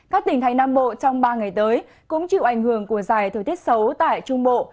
các tỉnh thành nam bộ trong ba ngày tới cũng chịu ảnh hưởng của dài thời tiết xấu tại trung bộ